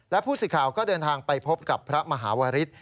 และผู้สื่อข่าวก็เดินทางไปพบกับพระมหาวริส